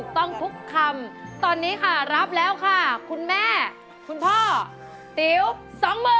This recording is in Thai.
ตอนนี้ค่ะรับแล้วค่ะคุณแม่คุณพ่อติวสองมื้อ